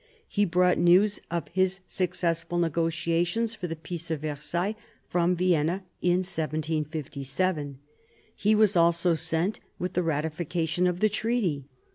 He brought news of his successful negotiations for the peace of Versailles from Vienna in 1757. He was also sent with the Ratification of the Treaty.